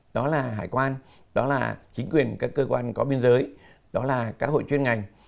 đó là hải quan đó là chính quyền các cơ quan có biên giới đó là các hội chuyên ngành